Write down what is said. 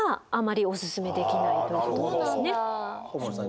小森さん